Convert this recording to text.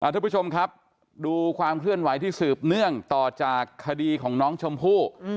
ทุกผู้ชมครับดูความเคลื่อนไหวที่สืบเนื่องต่อจากคดีของน้องชมพู่